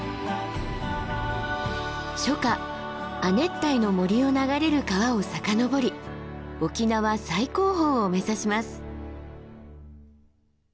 初夏亜熱帯の森を流れる川を遡り沖縄最高峰を目指します。